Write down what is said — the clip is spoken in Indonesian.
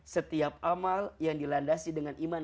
setiap amal yang dilandasi dengan iman